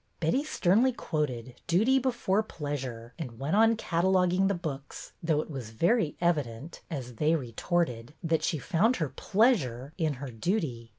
Betty sternly quoted '' duty before pleasure," and went on cataloguing the books, though it was very evident, as they retorted, that she found her '' pleasure " in her '' duty."